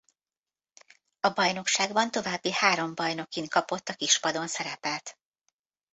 A bajnokságban további három bajnokin kapott a kispadon szerepet.